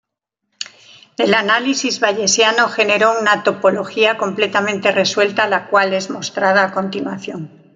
El análisis bayesiano generó una topología completamente resuelta la cual es mostrada a continuación.